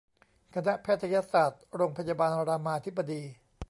คณะแพทยศาสตร์โรงพยาบาลรามาธิบดี